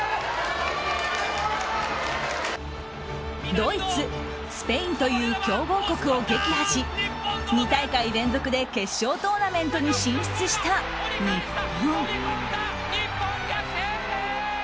ドイツ、スペインという強豪国を撃破し２大会連続で決勝トーナメントに進出した日本。